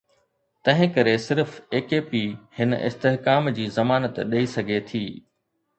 تنهنڪري صرف AKP هن استحڪام جي ضمانت ڏئي سگهي ٿي.